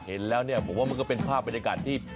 เห็นแล้วเนี่ยผมว่ามันก็เป็นภาพบรรยากาศที่